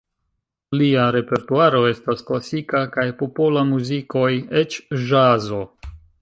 Lia repertuaro estas klasika kaj popola muzikoj, eĉ ĵazo.